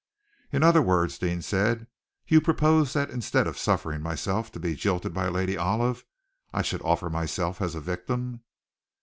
"In other words," Deane said, "you propose that instead of suffering myself to be jilted by Lady Olive, I should offer myself as a victim?"